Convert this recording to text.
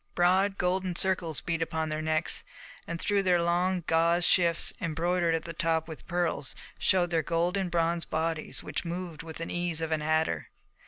Broad golden circles beat upon their necks, and through their long gauze shifts, embroidered at the top with pearls, showed their golden bronze bodies which moved with the ease of an adder.